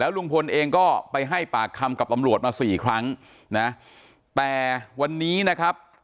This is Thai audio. ลุงพลเองก็ไปให้ปากคำกับตำรวจมาสี่ครั้งนะแต่วันนี้นะครับ